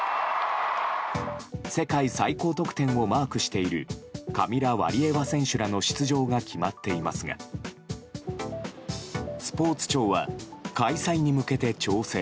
世界最高得点をマークしているカミラ・ワリエワ選手の出場が決まっていますがスポーツ庁は開催に向けて調整。